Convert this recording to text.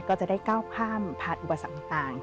ก็จะได้ก้าวข้ามผ่านอุปสรรคต่าง